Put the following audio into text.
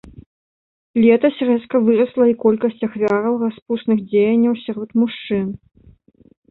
Летась рэзка вырасла і колькасць ахвяраў распусных дзеянняў сярод мужчын.